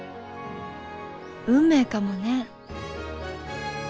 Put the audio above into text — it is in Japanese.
運命かもね。